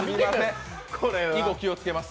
以後、気をつけます。